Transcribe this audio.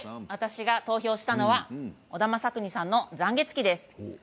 私が投票したのは小田雅久仁さんの「残月記」です。